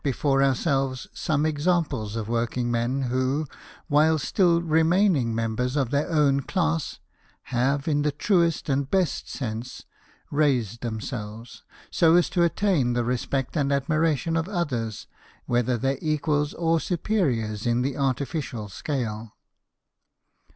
before ourselves some examples of working men who, while still remaining members of their own class, have in the truest and best sense " raised themselves " so as to attain the respect and admiration of others whether their equals or superiors in the artificial scale.